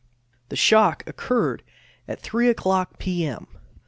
The shock occurred at 3 o'clock, P. M.